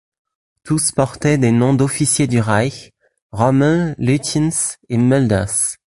Tous portaient des noms d'officier du Reich, Rommel, Lütjens et Mölders.